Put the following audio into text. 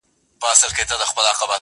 باز له ليري را غوټه له شنه آسمان سو-